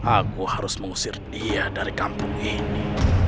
aku harus mengusir dia dari kampung ini